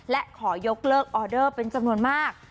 และขอยกเลิกออเดอร์เป็นจำนวนมาก